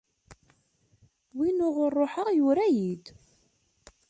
Win wuɣur ṛuḥeɣ yura-yi-d.